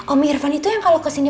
om irfan itu yang kalau kesini